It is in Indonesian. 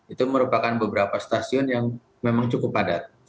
itu merupakan beberapa stasiun yang memang cukup padat